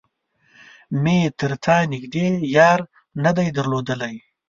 مې تر تا نږدې يار نه دی درلودلی.